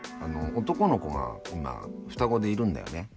男の子が今双子でいるんだよね。